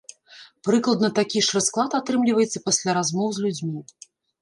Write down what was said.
Прыкладна такі ж расклад атрымліваецца пасля размоў з людзьмі.